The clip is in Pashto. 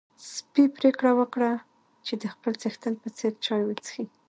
سپی پرېکړه وکړه چې د خپل څښتن په څېر چای وڅښي.